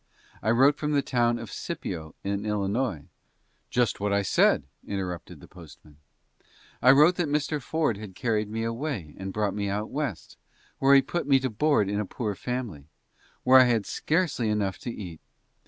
I wrote from the town of Scipio, in Illinois "Just what I said," interrupted the postman. "I wrote that Mr. Ford had carried me away and brought me out West, where he put me to board in a poor family, where I had scarcely enough to eat.